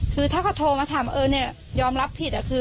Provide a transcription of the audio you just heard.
คือถ้าเขาโทรมาถามยอมรับผิด